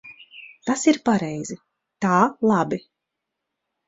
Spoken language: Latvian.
Tas ir pareizi. Tā labi.